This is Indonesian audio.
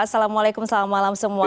assalamualaikum selamat malam semua